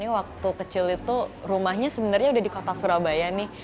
waktu kecil itu rumahnya sebenarnya udah di kota surabaya nih